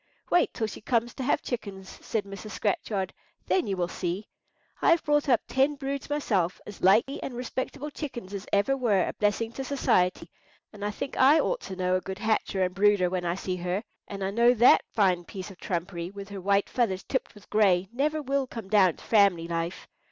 "Wait till she comes to have chickens," said Mrs. Scratchard; "then you will see. I have brought up ten broods myself—as likely and respectable chickens as ever were a blessing to society—and I think I ought to know a good hatcher and brooder when I see her; and I know that fine piece of trumpery, with her white feathers tipped with gray, never will come down to family life.